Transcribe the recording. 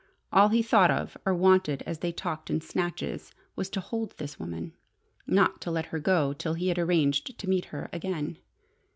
All he thought of or wanted as they talked in snatches was to hold this woman, not to let her go till he had arranged to meet her again.